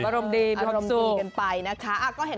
อารมณ์ดีกันไปนะคะ